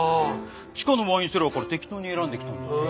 地下のワインセラーから適当に選んできたんですけど。